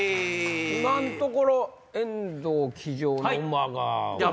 今んところ遠藤騎乗の馬が。